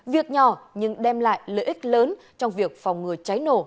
việc nhỏ nhưng đem lại lợi ích lớn trong việc phòng ngừa cháy nổ